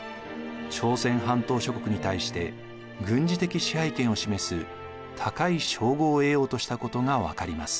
朝鮮半島諸国に対して軍事的支配権を示す高い称号を得ようとしたことが分かります。